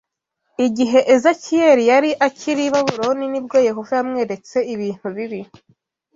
Igihe Ezekiyeli yari akiri i Babuloni ni bwo Yehova yamweretse ibintu bibi